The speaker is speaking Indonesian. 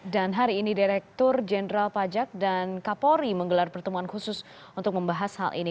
dan hari ini direktur jenderal pajak dan kapolri menggelar pertemuan khusus untuk membahas hal ini